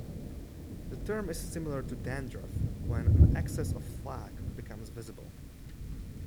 The term is similar to dandruff, when an excess of flak becomes visible.